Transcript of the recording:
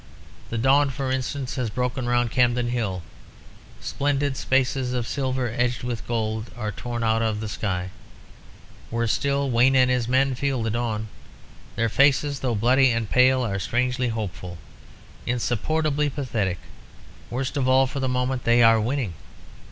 The dawn, for instance, has broken round Campden Hill; splendid spaces of silver, edged with gold, are torn out of the sky. Worse still, Wayne and his men feel the dawn; their faces, though bloody and pale, are strangely hopeful ... insupportably pathetic. Worst of all, for the moment they are winning.